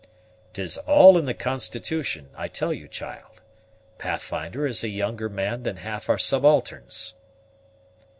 "'Tis all in the constitution, I tell you, child; Pathfinder is a younger man than half our subalterns."